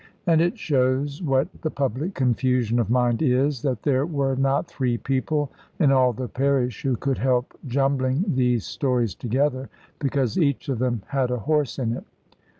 And it shows what the public confusion of mind is, that there were not three people in all the parish who could help jumbling these stories together, because each of them had a horse in it!